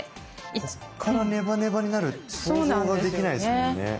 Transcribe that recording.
こっからネバネバになるって想像ができないですもんね。